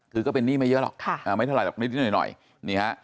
คือก็เป็นหนี้ไม่เยอะหรอกไม่เท่าไหรอกนิดหน่อยนี่ฮะ